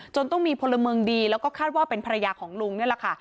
ต้องมีพลเมืองดีแล้วก็คาดว่าเป็นภรรยาของลุงนี่แหละค่ะ